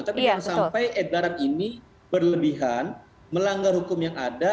tapi jangan sampai edaran ini berlebihan melanggar hukum yang ada